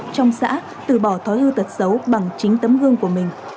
trong xã từ bỏ thói hư tật xấu bằng chính tấm gương của mình